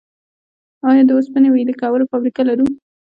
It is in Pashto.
آیا د وسپنې ویلې کولو فابریکه لرو؟